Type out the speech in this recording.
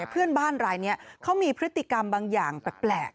เพื่อนบ้านรายนี้เขามีพฤติกรรมบางอย่างแปลก